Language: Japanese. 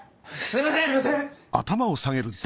すいません。